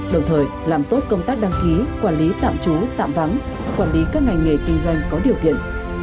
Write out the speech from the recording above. đồng thời làm tốt công tác đăng ký quản lý tạm trú tạm vắng quản lý các ngành nghề kinh doanh có điều kiện